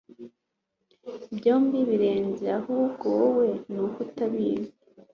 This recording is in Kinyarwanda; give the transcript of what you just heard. Byombi birenze ahubwo wowe nuko utabizi